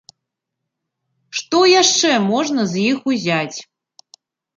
Што яшчэ можна з іх узяць.